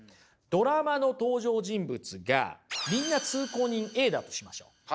ドラマの登場人物がみんな通行人Ａだとしましょう。